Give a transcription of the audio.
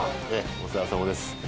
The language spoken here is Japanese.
お世話さまです。